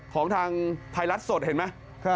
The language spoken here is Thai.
ของทางไทยรัฐสดเห็นไหม